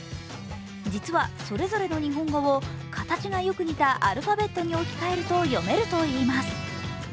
実は、それぞれの日本語を形がよく似たアルファベットに置き換えると、読めるといいます。